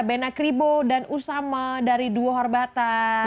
bena kribo dan usama dari dua horbatan